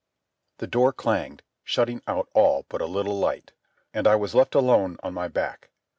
The door clanged, shutting out all but a little light, and I was left alone on my back.